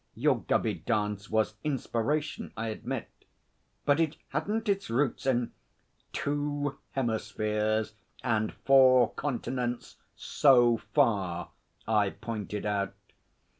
Your Gubby dance was inspiration, I admit, but it hadn't its roots in ' 'Two hemispheres and four continents so far,' I pointed out.